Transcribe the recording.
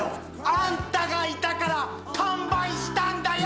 あんたがいたから完売したんだよ！